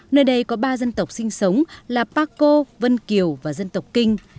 nơi đây có ba dân tộc sinh sống là paco vân kiều và dân tộc kinh